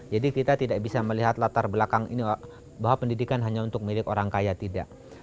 jadi kita tidak bisa melihat latar belakang ini bahwa pendidikan hanya untuk milik orang kaya